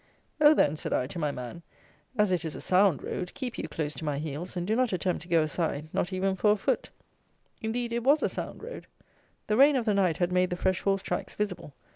"Oh then," said I, to my man, "as it is a sound road, keep you close to my heels, and do not attempt to go aside, not even for a foot." Indeed, it was a sound road. The rain of the night had made the fresh horse tracks visible.